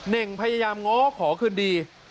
เน่งพยายามง้อขอคืนดี